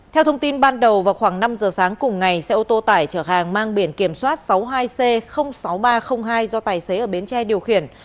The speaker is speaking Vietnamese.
theo thông tin ban đầu vào khoảng năm giờ sáng cùng ngày xe ô tô tải chở hàng mang biển kiểm soát sáu mươi hai c sáu nghìn ba trăm linh hai do tài xế ở bến tre điều khiển